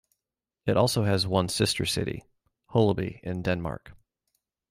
It also has one sister city: Holeby in Denmark.